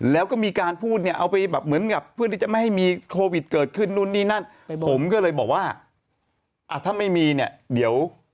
แล้วก็มีการพูดเนี่ย